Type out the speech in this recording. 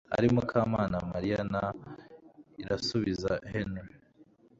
ari Mukamana Marie na Irasubiza Henry